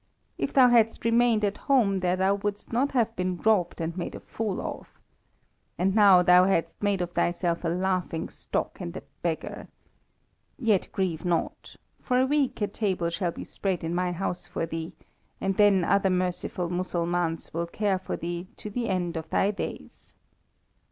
If thou hadst remained at home here thou wouldst not have been robbed and made a fool of. And now thou hast made of thyself a laughing stock and a beggar. Yet grieve not. For a week a table shall be spread in my house for thee, and then other merciful Mussulmans will care for thee to the end of thy days."